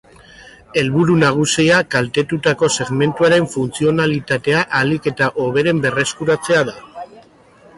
Helburu nagusia kaltetutako segmentuaren funtzionalitatea ahalik eta hoberen berreskuratzea da.